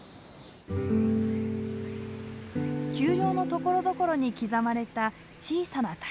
丘陵のところどころに刻まれた小さな谷。